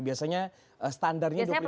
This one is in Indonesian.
biasanya standarnya dua puluh lima basis point